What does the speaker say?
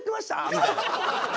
みたいな。